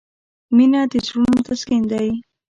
• مینه د زړونو تسکین دی.